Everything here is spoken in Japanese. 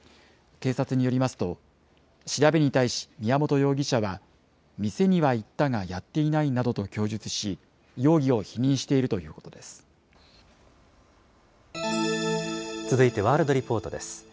警察によりますと、調べに対し、宮本容疑者は、店には行ったが、やっていないなどと供述し、容疑を否認している続いてワールドリポートです。